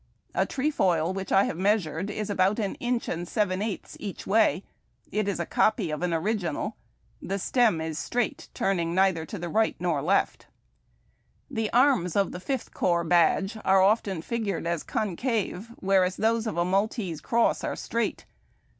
A trefoil which I have measured is about an inch and seven eighths each way. It is a copy of an original. The stem is straight, turning neither to the ricrht nor left. ANDREW S CROSS. CORPS AND COUPS BADGES. 259 The arms of the Fifth Corps badge are often figured as concave, whereas tliose of a ^Maltese cross are straig lit.